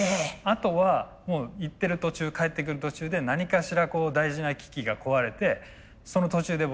あとはもう行ってる途中帰ってくる途中で何かしら大事な機器が壊れてその途中で僕らがどういう対処をするか。